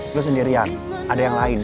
gue sendirian ada yang lain